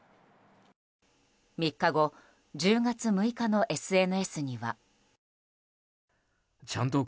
３日後１０月６日のＳＮＳには。